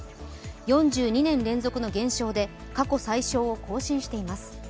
４２年連続の減少で過去最少を更新しています。